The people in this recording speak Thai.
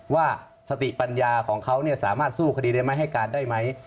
ว่าสติปัญญาของเขาสามารถสู้คดีได้ไหมให้การได้ไหม